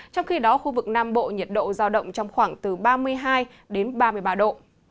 trong khi đó khu vực nam bộ nhiệt độ giao động trong khoảng từ ba mươi hai đến ba mươi ba độ